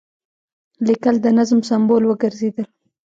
لیکل د نظم سمبول وګرځېدل.